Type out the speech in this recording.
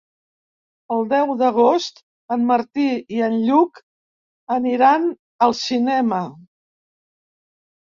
El deu d'agost en Martí i en Lluc aniran al cinema.